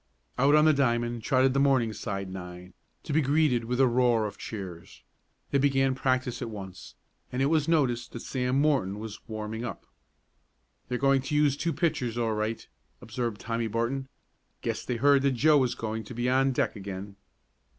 Out on the diamond trotted the Morningside nine, to be greeted with a roar of cheers. They began practice at once, and it was noticed that Sam Morton was "warming up." "They're going to use two pitchers all right," observed Tommy Barton. "Guess they heard that Joe was going to be on deck again."